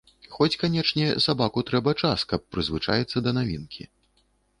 Хоць, канечне, сабаку трэба час, каб прызвычаіцца да навінкі.